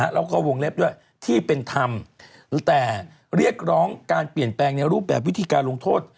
แล้วก็วงเล็บด้วยที่เป็นธรรมแต่เรียกร้องการเปลี่ยนแปลงในรูปแบบวิธีการลงโทษ